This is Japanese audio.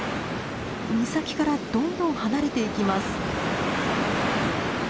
岬からどんどん離れていきます。